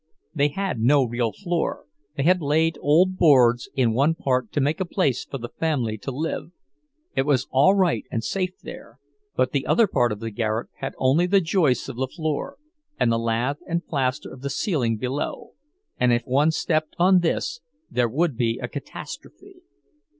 They had no real floor—they had laid old boards in one part to make a place for the family to live; it was all right and safe there, but the other part of the garret had only the joists of the floor, and the lath and plaster of the ceiling below, and if one stepped on this there would be a catastrophe.